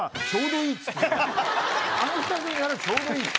あのふた組ならちょうどいい。